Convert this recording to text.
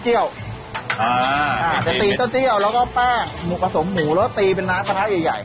จะตีเต้าเจี้ยวแล้วก็แป้งหมูผสมหมูแล้วก็ตีเป็นน้ำกระทะใหญ่